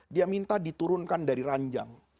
dia minta diturunkan dari ranjang